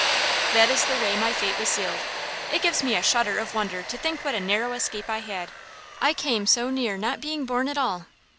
That is the way my fate was sealed. It gives me a shudder of wonder to think what a narrow escape I had; I came so near not being born at all.